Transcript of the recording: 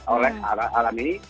oleh alam ini